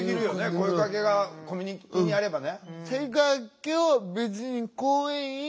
声かけがコミュニティーにあればね。